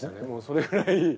もうそれくらい。